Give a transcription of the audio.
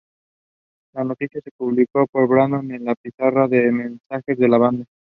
La noticia se publicó por Brandon en la pizarra de mensajes de la banda.